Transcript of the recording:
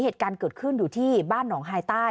เหตุการณ์เกิดขึ้นอยู่ที่บ้านหนองฮายใต้